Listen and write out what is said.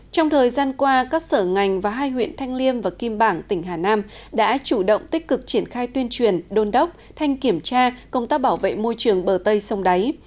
trong thời gian qua các sở ngành và hai huyện thanh liêm và kim bảng tỉnh hà nam đã chủ động tích cực triển khai tuyên truyền đôn đốc thanh kiểm tra công tác bảo vệ môi trường bờ tây sông đáy